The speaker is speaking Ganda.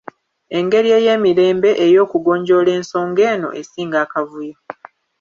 Engeri ey'emirembe ey'okugonjoola ensonga eno esinga akavuyo.